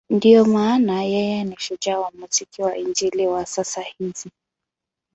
Ndiyo maana yeye ni shujaa wa muziki wa Injili wa sasa hizi.